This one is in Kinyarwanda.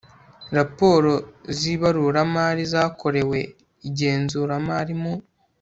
raporo z ibaruramarizakorewe igenzuramari mu